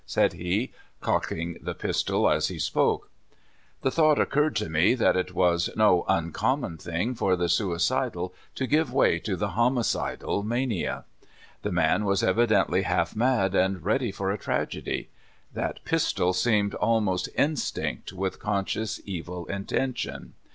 said he, cocking the pistol as he spoke. The thouoht occurred to me that it was no un common thing for the suicidal to give way to the homicidal mania. The man was evidently half mad, and ready for a tragedy. That pistol seemed almost instinct with conscious evil intention.